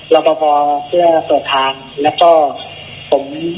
ระบบเพื่อสดทางแล้วก็ผม